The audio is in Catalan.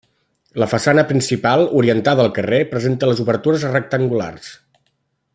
La façana principal, orientada al carrer, presenta les obertures rectangulars.